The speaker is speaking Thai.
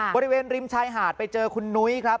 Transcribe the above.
บริเวณริมชายหาดไปเจอคุณนุ้ยครับ